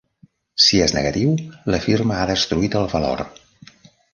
Si és negatiu, la firma ha destruït el valor.